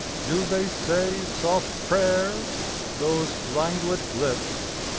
Do they say soft prayers, Those languid lips?